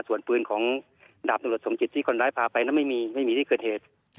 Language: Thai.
ส่วนปืนของดาบนุรสมจิตที่คนร้ายพาไปไม่มีที่เคลื่อนเหตุ